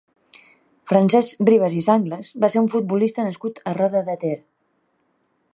Francesc Ribas i Sanglas va ser un futbolista nascut a Roda de Ter.